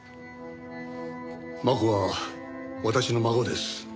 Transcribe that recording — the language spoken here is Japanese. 真子は私の孫です。